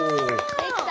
できた？